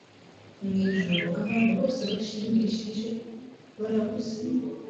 Mwijuru, abantu bose bashimishije barabuze.